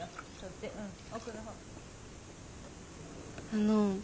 あの。